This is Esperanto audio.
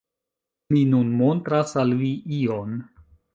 Mi nun montras al vi ion...